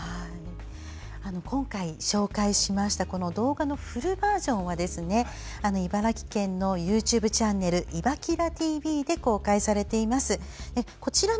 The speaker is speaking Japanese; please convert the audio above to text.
今回、紹介しました動画のフルバージョンは茨城県のＹｏｕＴｕｂｅチャンネル「いばキラＴＶ」で公開されています。